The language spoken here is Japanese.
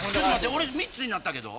俺３つになったけど。